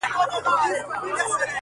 چي په کلي کي غوايي سره په جنګ سي،